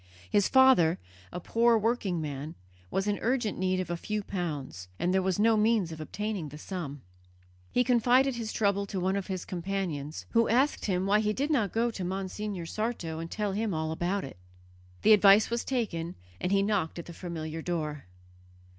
His father, a poor working man, was in urgent need of a few pounds, and there was no means of obtaining the sum. He confided his trouble to one of his companions, who asked him why he did not go to Monsignor Sarto and tell him all about it. The advice was taken, and he knocked at the familiar door.